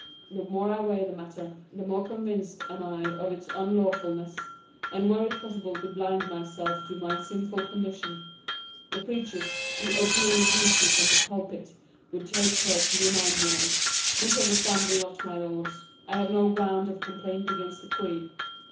The more I weigh the matter, the more convinced am I of its unlawfulness; and were it possible to blind myself to my sinful condition, the preachers, who openly rebuke me from the pulpit, would take care to remind me of it. Misunderstand me not, my lords. I have no ground of complaint against the queen.